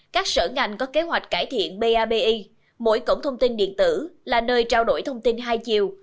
các sở ngành có kế hoạch cải thiện pabi mỗi cổng thông tin điện tử là nơi trao đổi thông tin hai chiều